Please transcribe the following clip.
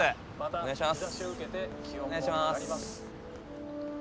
お願いします。